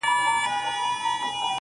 ورته سپک په نظر ټوله موږکان دي,